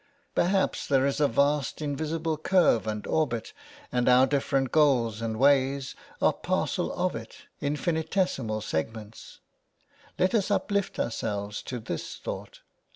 Perhaps there is a vast invisible curve " and orbit and our different goals and ways are 386 THE WILD GOOSE. " parcel of it, infinitesimal segments. Let us uplift ^' ourselves to this thought